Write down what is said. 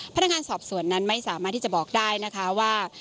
พนักงานสอบสวนนั้นไม่สามารถที่จะบอกได้นะคะว่า